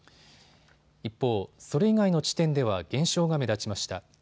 一方、それ以外の地点では減少が目立ちました。